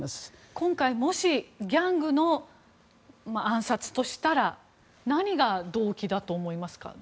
今回、もしギャングによる暗殺としたら何が動機だと思いますか？